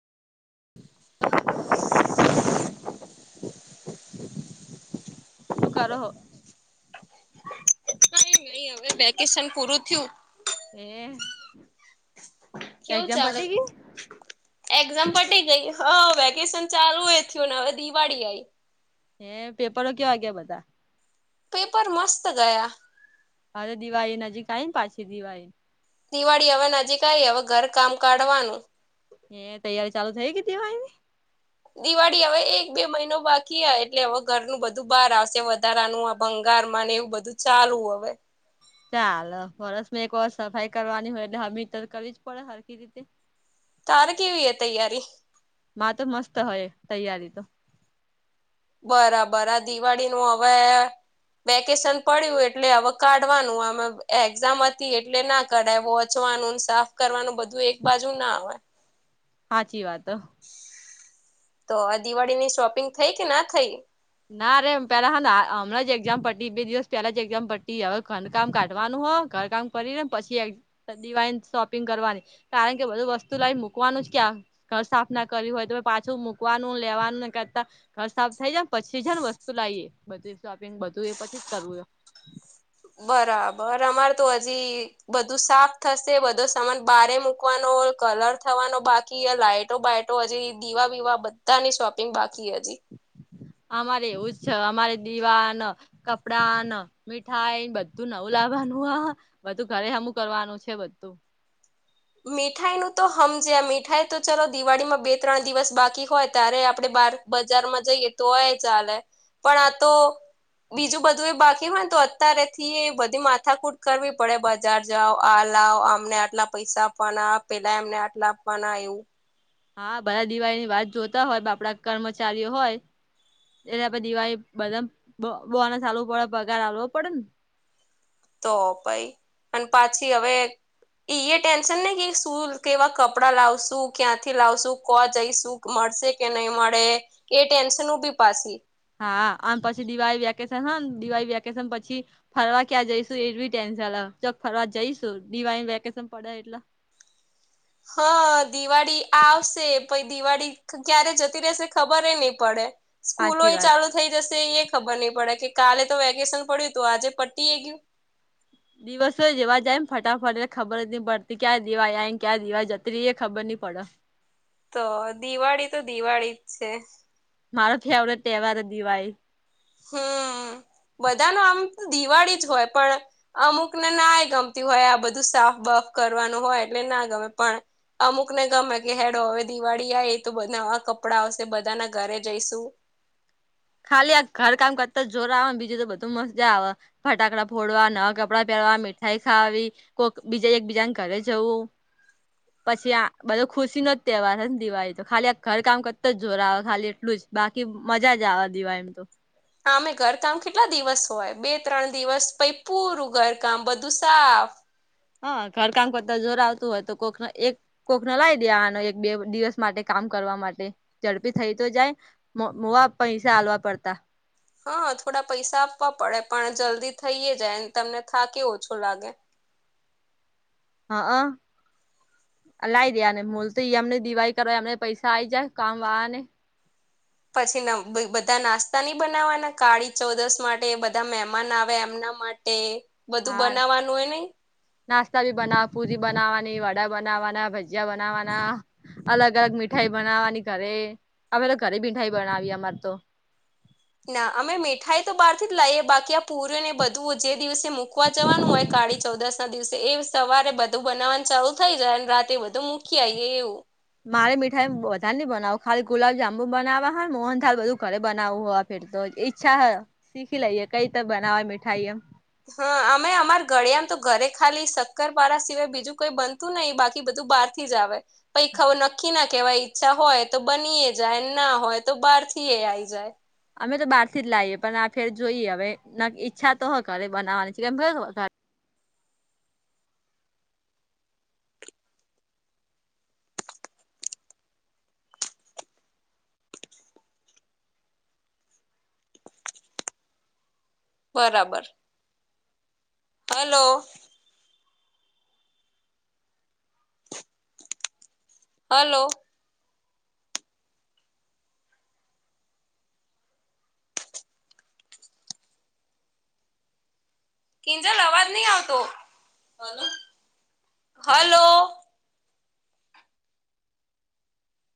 [inaudible] ત કરો. કઈ [inaudible] નહી. હવે વેકેશન પૂરું થયું. એ. કેવું એક્ઝામ ચાલે? પટી એક્ઝામ પટી ગઈ. હા! વેકેશન ચાલુ હો થયુંને. હવે દિવાળી આવીઈ. હ પેપરો કેવા વા ગયા બધા. પેપર મસ્ત ગયા. હાવે દિવાળી નજીક આવીઈ ને પાછી દિવાળી. દિવાળી હવે નજીક આવી. હવે ઘર કામ કાઢવાનું. એ તૈયારી ચાલુ થઈ ગી તવાયની? દિવાળી હવે એક બે મહિનો બાકી આ. એટલે હવે ઘરનું બધું બહાર આવશે વધારાનું. બંગાળ માં ને એવું બધું ચાલુ હવે. ચાલો વર્ષ એક વાર સફાઈ કરવાની હોય. એટલે હમીર કરવી જ પડે હખ રીતે. તાર કેવી એ તૈયારી? માં તો મસ્ત હોય તૈયારી તો. બરાબર. આ દિવાળીનુંું હવે. વેકેશન પડ્યું એટલે હવે કાઢવાનું. અમે એક્ઝામ હતી એટલે ના. કઢાવો ઓચવાનું સાફ કરવાનું. બધું એક બાજુ ના આવે. સાચી વાત. તો આ દિવાળીની શોપિંગ થઈ કે ના થઈ? ના રે પેલા હા હમં જ એક્ઝામ પતી. બે દિવસ પેહલા જ એક્ઝામ પતી હવે ખંધકામ કાઢવાનું હો. ઘર કામ કરી ને પછી એક. દિવાળી નુ શોપિંગ કરવાની. કારણ કે બધું વસ્તુ લઈને મૂકવાનું જ ક્યાં. ઘર સાફ ના કર્યું હોય તો. પાછું મૂકવાનું, લેવાનું ને કરતા ઘર સાફ થઈ જ. પછી જને વસ્તુ લાવએ. બધું શોપિંગ બધું એ પછી જ કરવું જો. બરાબર. અમારે તું હજી. બધું સાફ થશે. બધો સામાન બારે મૂકવાનો. કલર થવાનો બાકી. લાઈટ ટો બટો હજી દીવા વિીવા બધાની શોપિંગ બાકી હજી. અમારે એવુચે. અમારે દીવાન. કપડા, મીઠાઈ બધું નવું લાવવાનું આ. બધું ઘરે અમું કરવાનું છે બધું. મીઠાઈનું તો સમજે, મીઠાઈ તો ચાલ દિવાળીમાં બે ત્રણ દિવસ બાકી હોય ત્યારે આપણે બાર. બજારમાં જઈએ તો હોય ચાલે. પણ આ તો. બીજું બધું એ બાકી હોયને તો, અત્યારેથી બધી માથાકૂટ કરવી પડે બા. બજાર જાઓ. આ લ અમને આટલા પૈસા આપવાના. પેલા એમને આટલા આપવાના આવું. હા બધા દિવાળીની વાત જોતા હોય. આપડા કર્મચારીઓ હોય. એટલે દિવાળી બધ બોનસાલવું પડે પગાર હાલવો પડે ને. તો પાઈ, અને પાછી હવે. ઈ એ ટેન્શન ને કે શું કેવા કપડાં લાવશું ક્યાંથી લાવશું કો જઈશું. મળશે કે નહી મળે એ ટેન્શન ઉભી પાછી હા અનેમ પછી દિવાળી વેકેશન હ દિવાળી વેકેશન પછી ફરવા ક્યાં જઈશું એટી ટેન્શન લ ચ ફરવા જઈશું દિવાળ વેકેશન પડે એટલે. હા દિવાળી આવશે પછ દિવાળી. ક્યારે જતી રહેશે ખબર નહી પડે. સ્કૂલો સાચી એ વાત ચાલુ થઈ જશે એ એ ખબર નહી પડે કે કાલે તો વેકેશન પડ્યું તો આજે પ્ટટી એ ગયું. દિવસો જવા જાયમને ફટાફટ એટલે ખબર જ ન પડતી ક્યાં દિવાયમ ક્યાં દિવાય જત્રી એ ખબર નહી પડે. તો દિવાળી તો દિવાળી જ છે. મારો ફેવરેટ તહેવાર દિવાળી. હમ બધાનો આમ તો દિવાળી જ હોય પણ. અમુકને નાય ગમતી હોય આ બધું સાફ બફ કરવાનું હોય એટલે ના ગમે પણ. અમુક ને ગમે કે હેડ હવે દિવાળી આવી તો બધાવા કપડાં આવશે બધાના ઘરે જઈશું. ખાલી આ ઘર કામ કરતા જોરા આવે ને બીજું તો બધું મજા આવે. ફટાકડા ફોડવા નવા કપડાં પહેરવા મીઠાઈ ખાવી. કોક બીજા એકબીજાને ઘરે જવું [inaudible] પછી આ બધો ખુશીનો જ તહેવાર છે ને દિવાળી તો ખાલી આ ઘર કામ કરતા જ જોર આવે ખાલી એટલું જ બાકી મજા જ આવા દિવાળી એમ તો આમે ઘરકામ કેટલા દિવસ હોય બે ત્રણ દિવસ પ ઈ પૂરું ઘરકામ બધું સાફ હા ઘર કામ કરતા જોર આવતું હોય તો કોક એક કોક ન લાઈ દેવા આનો એક બે દિવસ માટે કામ કરવા માટે ઝડપી થઈ તો જાય મોવા પૈસા હાલવા પડતા હા થોડા પૈસા આપવા પડે પણ જલ્દી થઈએ જાય તમને થાકે ઓછો લાગે હા હા લાઈ દેવના ને મોલ તો એ અમને દિવાળ કરવા અમને પૈસા આઈ જાય કામ વાળને પછી બધા નાસ્તા ન ઈબનાવાના કાળી ચૌદશ માટે બધા મહેમાન આવે એમના માટે એ બધું હા બનાવાનું હોય નને નાસ્તા બી બનાવ પુરી બનાવાની વડા બનાવવાના ભજીયા બનાવાના અલગ અલગ મીઠાઈ બનાવવાની ઘરે હમે તો ઘરે મીઠાઈ બનાવી અમાર તો ના અમે મીઠાઈ તો બહાર થી જ લાઈએ બાકી આ પુર ને બધું જે દિવસે મૂકવા જવાનું હોય કાળી ચૌદસ ના દિવસે એ સવારે બધું બનાવવાનું ચાલુ થઈ જાય અને રાતે બધું મૂકી આવી એવું મારે મીઠાઈ વધારે નહી બનાવું ખાલી ગુલાબજંબુ બનાવવા હોય મોહન થાળ બધું ઘરે બનાવું હોય ફેર તોઈ ચ્છા હ સીખી લઈ કઈ તો બનાવ મીઠાઈ એમ હા અમે અમાર ઘડીયા આમ તો ઘરે ખાલી સક્કરપારા સિવાય બીજું કોઈ બંન નહી બાકી બધું બારથી જ આવે નક્કી ના કહેવાય ઈચ્છા હોય તો બનીએ જાય ના હોય તો બહારથી એ આવીઈ જાય અમે તો બહાર થી જ લાવીએ પણ આ ફેર જોઈએ હવે ઈચ્છા તો હ ઘરે બનાવાની છે કે બરાબર હલો હલો. કિંજલ અવાજ નહી આવતો હલો.